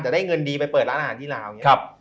แต่ได้เงินดีไปเปิดร้านอาหารที่ราว